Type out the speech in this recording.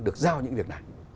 được giao những việc này